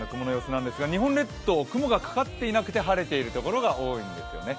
日本列島、雲がかかっていなくて晴れている所が多いんですね。